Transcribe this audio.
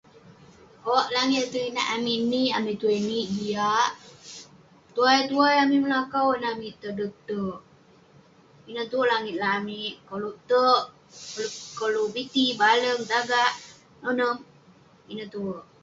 Owk langit inak amik niik, amik tuai niik, jiak. Tuai-tuai amik melakau ineh amik toder terk. Ineh tue langit lak amik.